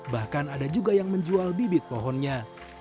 bahkan ada juga yang menjual bibit pohonnya